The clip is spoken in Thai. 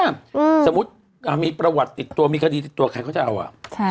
โอกาสในชีวิตเลยนะคะ